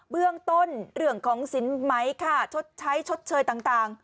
เบื้องต้นเรื่องของสินไม้ค่ะใช้ชดเชยต่าง